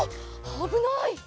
あぶない！